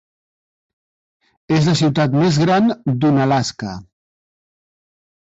És la ciutat més gran d'Unalaska.